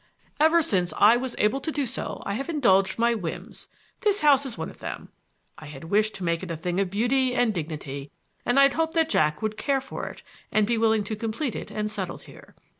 Ever since I was able to do so I have indulged my whims. This house is one of them. I had wished to make it a thing of beauty and dignity, and I had hoped that Jack would care for it and be willing to complete it and settle here.